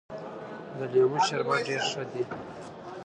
د لیمو شربت ډېر ښه دی.